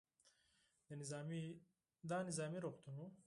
دا نظامي روغتون و.